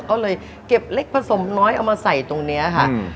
ก็เลยเก็บเล็กผสมน้อยเอามาใส่ตรงนี้ค่ะ